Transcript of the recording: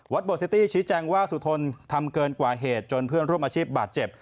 โบซิตี้ชี้แจงว่าสุทนทำเกินกว่าเหตุจนเพื่อนร่วมอาชีพบาดเจ็บ